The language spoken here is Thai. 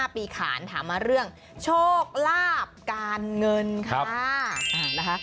ปีขานถามมาเรื่องโชคลาภการเงินค่ะนะคะ